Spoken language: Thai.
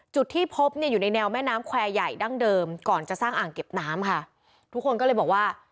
จุดที่พบเนี่ยอยู่ในแนวแม่น้ำแควร์ใหญ่ดั้งเดิมก่อนจะสร้างอ่างเก็บน้ำค่ะทุกคนก็เลยบอกว่า